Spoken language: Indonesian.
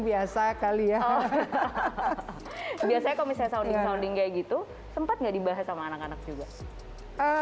biasa kali ya biasanya kalau misalnya sounding sounding kayak gitu sempat nggak dibahas sama anak anak juga